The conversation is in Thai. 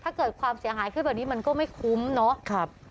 ถ้าเกิดความเสียหายขึ้นแบบนี้มันก็ไม่คุ้มเนาะ